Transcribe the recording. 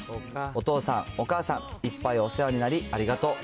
お父さん、お母さん、いっぱいお世話になり、ありがとう。